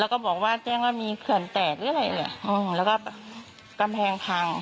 แล้วก็บอกว่าแจ้งว่ามีเขื่อนแตกหรืออะไรเลยแล้วก็กำแพงพัง